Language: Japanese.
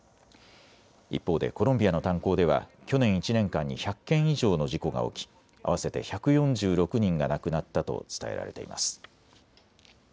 一方でコロンビアの炭鉱では去年１年間に１００件以上の事故が起き合わせて１４６人が亡くなったと伝えられています。